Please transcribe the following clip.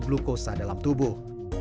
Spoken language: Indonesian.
glukosa dalam tubuh